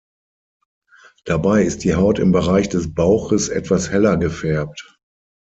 Dabei ist die Haut im Bereich des Bauches etwas heller gefärbt.